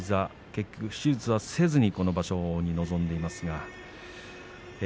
結局、手術はせずにこの場所に臨んでいます。